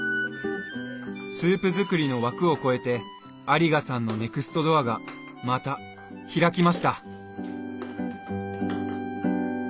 スープ作りの枠を超えて有賀さんのネクストドアがまた開きました。